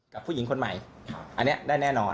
กับผู้หญิงคนใหม่อันนี้ได้แน่นอน